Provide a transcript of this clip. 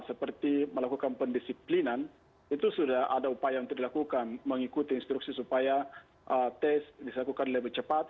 seperti melakukan pendisiplinan itu sudah ada upaya yang terlakukan mengikuti instruksi supaya ee tes bisa dilakukan lebih cepat